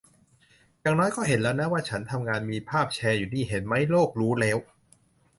อย่างน้อยก็เห็นแล้วนะ ว่าฉันทำงาน มีภาพแชร์อยู่นี่ เห็นไหม โลกรู้แล้ว